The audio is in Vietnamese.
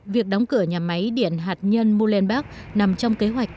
việc đóng cửa nhà máy điện hạt nhân mulibek nằm trong kế hoạch